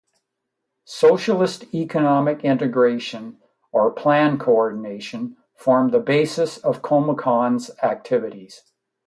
Socialist economic integration or "plan coordination" formed the basis of Comecon's activities.